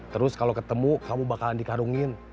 terus kalau ketemu kamu bakalan dikarungin